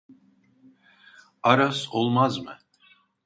Aras olmaz mı